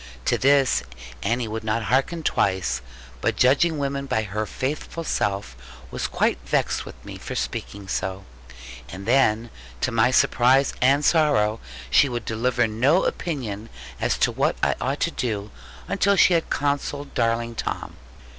To this Annie would not hearken twice, but judging women by her faithful self, was quite vexed with me for speaking so. And then, to my surprise and sorrow, she would deliver no opinion as to what I ought to do until she had consulted darling Tom.